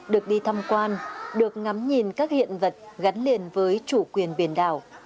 được đi thăm quan được ngắm nhìn các hiện vật gắn liền với chủ quyền biển đảo